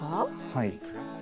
はい。